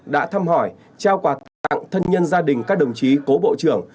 đã thăm hỏi trao quà tặng thân nhân gia đình các đồng chí cố bộ trưởng